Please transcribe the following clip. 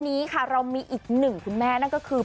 นี่ค่ะเรามีอีกหนึ่งม่านั่นคือ